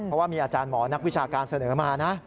เพราะว่ามีอาจารย์หมอนักวิชาการเสนอมานะ